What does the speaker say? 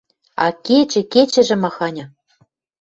А кечӹ, кечӹжӹ маханьы!